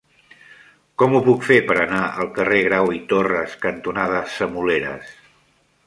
Com ho puc fer per anar al carrer Grau i Torras cantonada Semoleres?